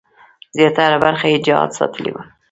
زیاتره برخه یې جهاد ساتلې وه.